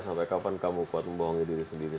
sampai kapan kamu kuat membohongi diri sendiri